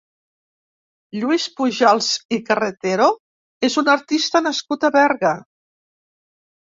Lluís Pujals i Carretero és un artista nascut a Berga.